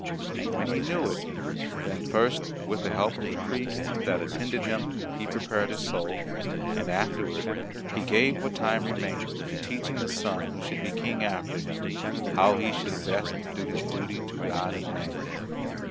And when he knew it, then first with the help of the priests that attended him he prepared his soul, and afterward he gave what time remained to teaching the son who should be King after him how he should best do his duty to God and man.